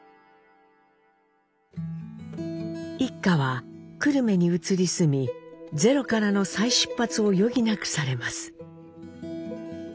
一家は久留米に移り住みゼロからの再出発を余儀なくされます。